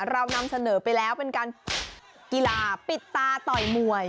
เรานำเสนอไปแล้วเป็นการกีฬาปิดตาต่อยมวย